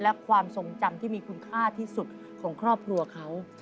และความทรงจำที่มีคุณค่าที่สุดของครอบครัวเขา